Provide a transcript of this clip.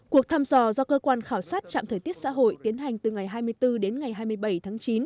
cuộc thăm dò do cơ quan khảo sát trạm thời tiết xã hội tiến hành từ ngày hai mươi bốn đến ngày hai mươi bảy tháng chín